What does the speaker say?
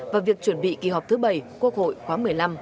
và việc chuẩn bị kỳ họp thứ bảy quốc hội khóa một mươi năm